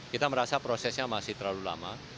kita merasa prosesnya masih terlalu lama